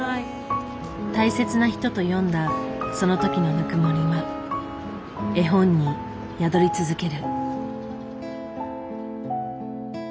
大切な人と読んだそのときのぬくもりは絵本に宿り続ける。